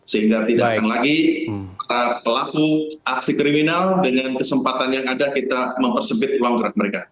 sehingga tidak akan lagi pelaku aksi kriminal dengan kesempatan yang ada kita mempersepit uang keras mereka